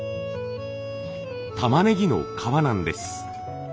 たまねぎの皮なんです。